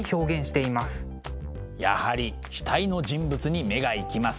やはり額の人物に目が行きます。